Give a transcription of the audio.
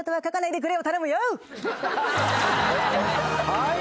はい。